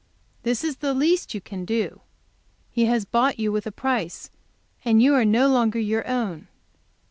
This is the least you can do. He has bought you with a price, and you are no longer your own.